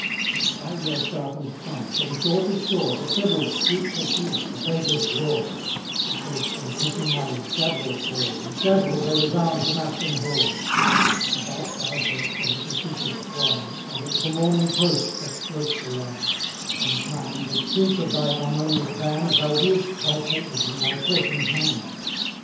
At thy well sharpen'd thumb, from shore to shore The trebles squeak for fear, the basses roar: Echoes from Pissing Alley, Shadwell call, And Shadwell they resound from Aston Hall. About thy boat the little fishes throng, As at the morning toast that floats along. 50 Sometimes, as prince of thy harmonious band, Thou wield'st thy papers in thy threshing hand.